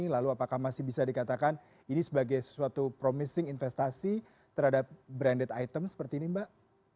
lalu apakah masih bisa dikatakan ini sebagai sesuatu promising investasi terhadap branded item seperti ini mbak